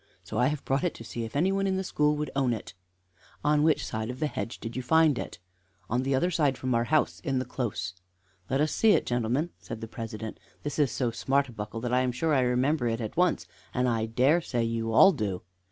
So I have brought it to see if any one in the school would own it." "On which side of the hedge did you find it?" "On the other side from our house, in the close." "Let us see it Gentlemen," said the President, "this is so smart a buckle that I am sure I remember it at once, and I dare say you all do."